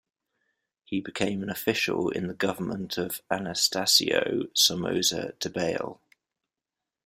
He became an official in the government of Anastasio Somoza Debayle.